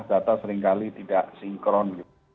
data seringkali tidak sinkron